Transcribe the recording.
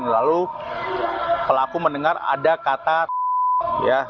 lalu pelaku mendengar ada kata ya